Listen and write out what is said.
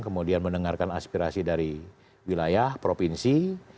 kemudian mendengarkan aspirasi dari wilayah provinsi